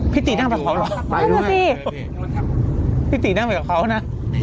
พี่ตีนั่งไปกับเขาหรอพี่ตีนั่งไปกับเขานะ